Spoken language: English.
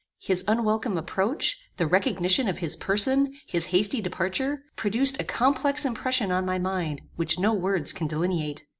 His unwelcome approach, the recognition of his person, his hasty departure, produced a complex impression on my mind which no words can delineate.